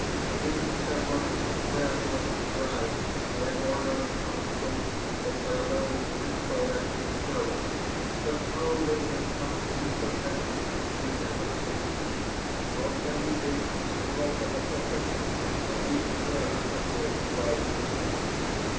In December, Raleigh was deprived, by an order in Council, of Arabella's rich collection of pearls, but how they had come into his possession we cannot guess. Nor can we date the stroke of apoplexy from which Raleigh suffered about this time.